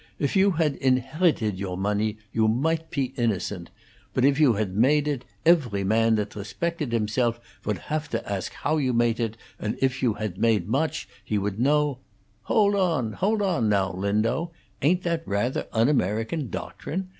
"If you hat inheritedt your money, you might pe innocent; but if you hat mate it, efery man that resbectedt himself would haf to ask how you mate it, and if you hat mate moch, he would know " "Hold on; hold on, now, Lindau! Ain't that rather un American doctrine?